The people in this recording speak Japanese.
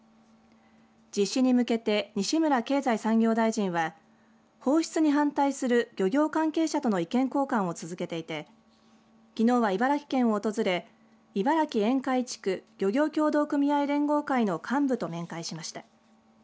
実施に向けて西村経済産業大臣は放出に反対する漁業関係者との意見交換を続けていてきのうは茨城県を訪れ茨城沿海地区漁業協同組合連合会の幹部と面会しました。